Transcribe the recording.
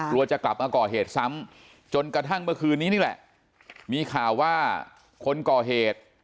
จะกลับมาก่อเหตุซ้ำจนกระทั่งเมื่อคืนนี้นี่แหละมีข่าวว่าคนก่อเหตุ